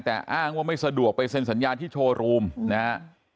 แต่อ้างว่าไม่สะดวกไปเซ็นสัญญาที่โชว์รูมนะฮะ